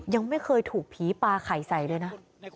ยังไม่เคยถูกผีปลาไข่ใส่เลยนะ